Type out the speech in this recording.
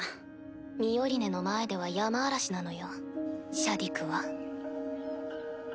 ミオリネの前ではヤマアラシなのよシャディクは。